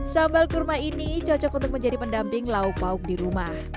sambal kurma ini cocok untuk menjadi pendamping lauk lauk di rumah